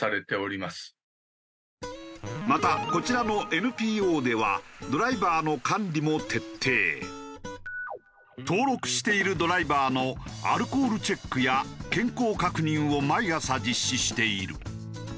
またこちらのＮＰＯでは登録しているドライバーのアルコールチェックや健康確認を毎朝実施している。